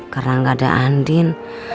karena gak ada andin